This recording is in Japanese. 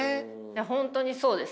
本当にそうですね。